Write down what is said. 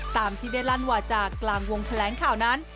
ตามที่ได้ลั่นวาจากกลางวงแถลงข่าวนั้น